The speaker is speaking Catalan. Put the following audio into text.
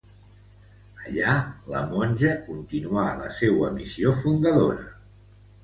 Allà la monja continua la seua missió fundadora.